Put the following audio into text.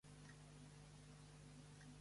Em dic Àreu Lahoz: ela, a, hac, o, zeta.